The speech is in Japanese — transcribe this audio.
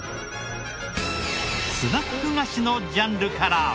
スナック菓子のジャンルから。